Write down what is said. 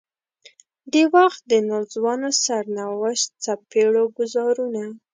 د وخت د ناځوانه سرنوشت څپېړو ګوزارونه.